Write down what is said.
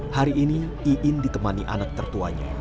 hari ini iin ditemani anak tertuanya